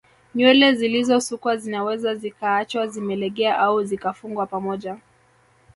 Nywele zilizosukwa zinaweza zikaachwa zimelegea au zikafungwa pamoja